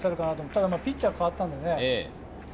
ただピッチャーが代わったのでね。